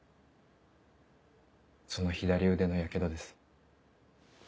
その左腕のヤケドです。